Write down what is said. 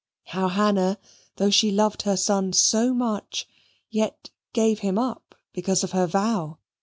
How Hannah, though she loved her son so much, yet gave him up because of her vow.